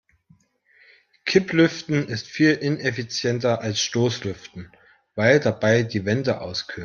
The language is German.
Kipplüften ist viel ineffizienter als Stoßlüften, weil dabei die Wände auskühlen.